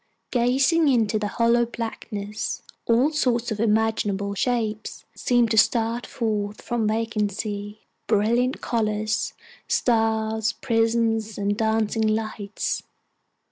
Gazing into the hollow blackness, all sorts of imaginable shapes seemed to start forth from vacancy brilliant colors, stars, prisms, and dancing lights.